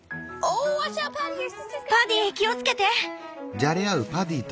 パディ気をつけて！